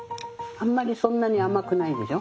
あんまりそんなに甘くないでしょ？